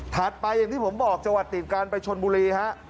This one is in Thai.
ถัดไปอย่างที่ผมบอกจังหวัดติดการไปชนบุรีครับ